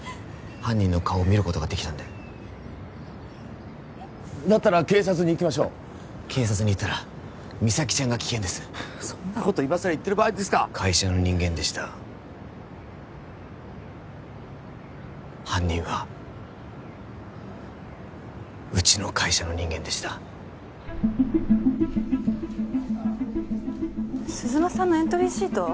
犯人の顔を見ることができたんでだったら警察に行きましょう警察に言ったら実咲ちゃんが危険ですそんなこと今さら言ってる場合ですか会社の人間でした犯人はうちの会社の人間でした鈴間さんのエントリーシート？